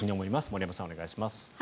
森山さん、お願いします。